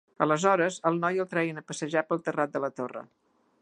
Aleshores, el noi el treien a passejar pel terrat de la Torre.